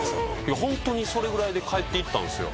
ホントにそれぐらいで帰っていったんですよ。